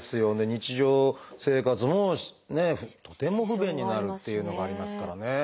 日常生活もねとても不便になるっていうのがありますからね。